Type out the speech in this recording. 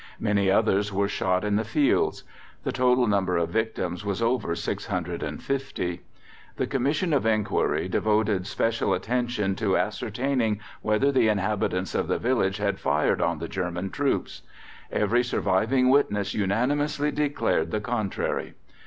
Many others were shot in the fields. The total number of victims was over 650. The Commission of Enquiry devoted special attention to ascertaining whether the inhabitants of the village had fired on the German troops. Every surviving witness unanimously declared the contrary.